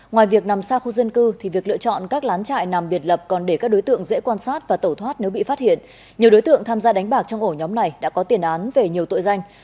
ngoài việc nằm xa khu dân cư thì việc lựa chọn các lán trại nằm biệt lập còn để các đối tượng dễ quan sát và tẩu thoát nếu bị phát hiện nhiều đối tượng tham gia đánh bạc trong ổ nhóm này đã có tiền án về nhiều tội danh